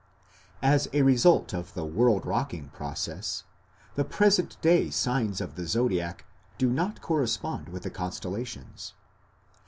As a result of the world rocking process, the present day "signs of the Zodiac" do not correspond with the constellations.